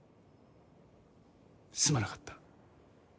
すまなかった。